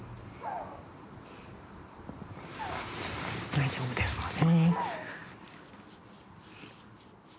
大丈夫ですのでね。